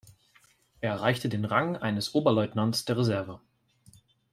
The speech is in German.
Er erreichte den Rang eines Oberleutnants der Reserve.